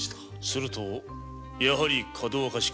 するとやはりかどわかしか？